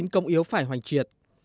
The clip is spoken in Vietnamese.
chín công yếu phải hoành triệt